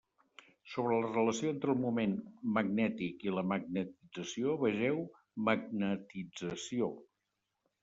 Sobre la relació entre el moment magnètic i la magnetització vegeu magnetització.